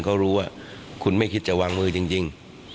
เขารู้ว่าคุณไม่คิดจะวางมือจริง